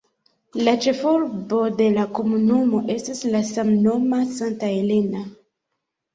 La ĉefurbo de la komunumo estas la samnoma Santa Elena.